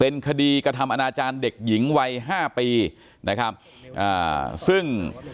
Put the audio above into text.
เป็นคดีกระทำอนาจารย์เด็กหญิงวัยห้าปีนะครับอ่าซึ่ง